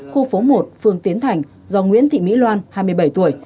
khu phố một phương tiến thành do nguyễn thị mỹ loan hai mươi bảy tuổi